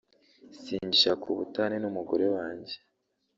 singishaka ubutane n’umugore wanjye